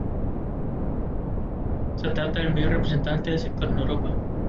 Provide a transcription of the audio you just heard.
Se trata del mayor representante del sector en Europa.